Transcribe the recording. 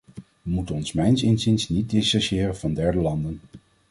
We moeten ons mijns inziens niet distantiëren van derde landen.